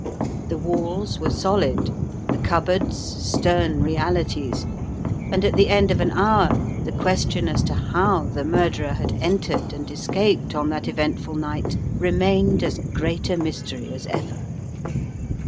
The walls were solid, the cupboards stern realities; and at the end of an hour, the question as to how the murderer had entered and escaped on that eventful night remained as great a mystery as ever.